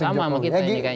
kurang lebih sama mungkin